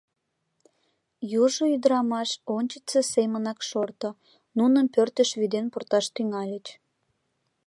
Южо ӱдырамаш ончычсо семынак шорто, нуным пӧртыш вӱден пурташ тӱҥальыч.